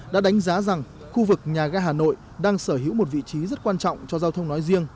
đã đánh giá rằng khu vực nhà ga hà nội đang sở hữu một vị trí rất quan trọng cho giao thông nói riêng